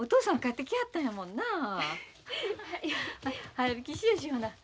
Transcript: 早引きしやしよな。